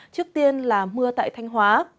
trước tiên là mưa tại thanh hóa